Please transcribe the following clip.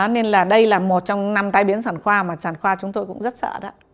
nên là đây là một trong năm tai biến sản khoa mà sản khoa chúng tôi cũng rất sợ đó